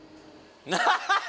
アハハハ！